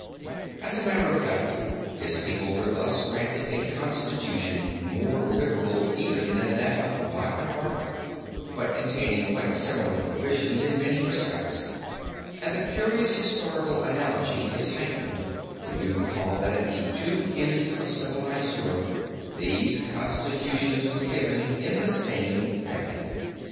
As a matter of fact, his people were thus granted a constitution more liberal even than that of Magna Charta, but containing quite similar provisions in many respects, and the curious historical analogy is heightened when we recall that at the two ends of civilized Europe these constitutions were given in the same decade.